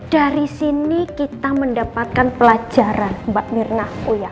dari sini kita mendapatkan pelajaran mbak mirna